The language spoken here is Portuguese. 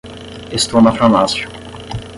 Estou na farmácia.